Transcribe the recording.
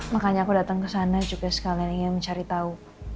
makanya aku datang kesana juga sekalian ingin mencari tahu